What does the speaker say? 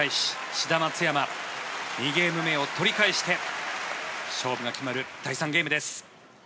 ゲーム目を取り返して勝負が決まる第３ゲームです。